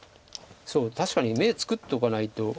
そう確かに眼作っておかないと。